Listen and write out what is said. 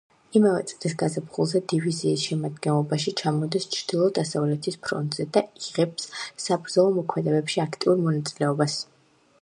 იმავე წლის გაზაფხულზე, დივიზიის შემადგენლობაში ჩამოდის ჩრდილო-დასავლეთის ფრონტზე და იღებს საბრძოლო მოქმედებებში აქტიურ მონაწილეობას.